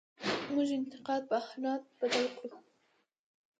موږ انتقاد په اهانت بدل کړو.